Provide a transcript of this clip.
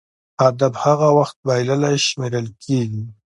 هدف هغه وخت بایللی شمېرل کېږي.